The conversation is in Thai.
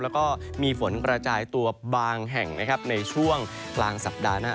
แล้วก็มีฝนกระจายตัวบางแห่งนะครับในช่วงกลางสัปดาห์หน้า